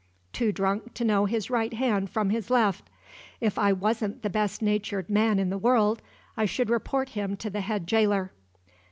too drunk to know his right hand from his left! If I wasn't the best natured man in the world, I should report him to the head jailer."